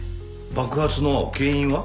爆発の原因は？